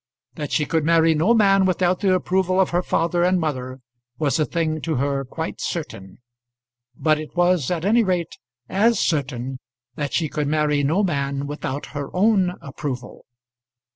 That she could marry no man without the approval of her father and mother was a thing to her quite certain; but it was, at any rate, as certain that she could marry no man without her own approval.